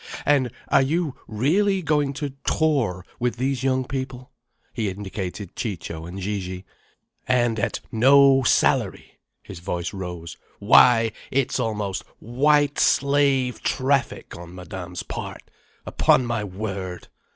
And are you really going to tour with these young people—?" he indicated Ciccio and Gigi. "And at no salary!" His voice rose. "Why! It's almost White Slave Traffic, on Madame's part. Upon my word!"